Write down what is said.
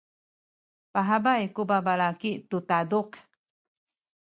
pahabay ku babalaki tu taduk.